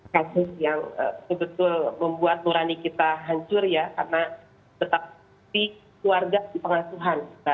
kasus yang sebetul membuat murani kita hancur ya karena tetap di keluarga pengasuhan pak